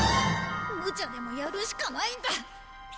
むちゃでもやるしかないんだ。